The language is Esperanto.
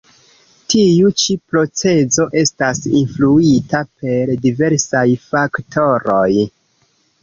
Tiu ĉi procezo estas influita per diversaj faktoroj.